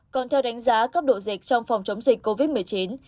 còn theo đánh giá cấp độ dịch trong phòng chống dịch covid một mươi chín